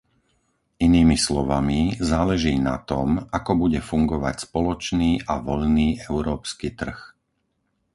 Inými slovami, záleží na tom, ako bude fungovať spoločný a voľný európsky trh.